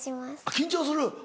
緊張する？